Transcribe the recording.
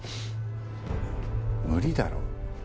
無理だろ。